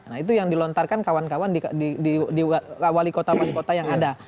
nah itu yang dilontarkan kawan kawan di wali kota wali kota yang ada